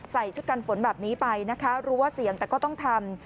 ใส่ชุดกันฝนแบบนี้ไปนะคะรู้ว่าเสี่ยงแต่ก็ต้องทำ